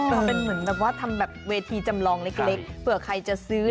ก็เป็นเหมือนแบบว่าทำแบบเวทีจำลองเล็กเผื่อใครจะซื้อ